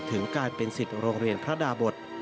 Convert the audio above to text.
ถึงการเป็นสิทธิ์โรงเรียนพระดาบท